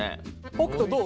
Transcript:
北斗どう？